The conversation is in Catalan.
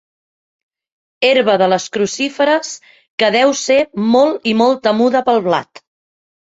Herba de les crucíferes que deu ser molt i molt temuda pel blat.